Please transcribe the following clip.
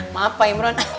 maaf pak imron